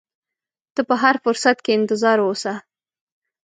ته په هر فرصت کې انتظار اوسه.